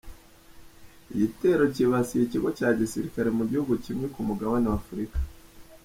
Igitero kibasiye ikigo cya gisirikare Mugihugu kimwe Kumugabane wa Afurika